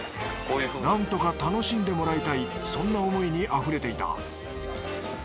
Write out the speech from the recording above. なんとか楽しんでもらいたいそんな思いにあふれていた。